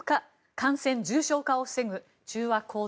感染・重症化を防ぐ